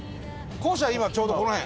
校舎、今ちょうど、この辺。